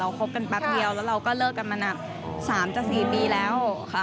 คบกันแป๊บเดียวแล้วเราก็เลิกกันมา๓๔ปีแล้วค่ะ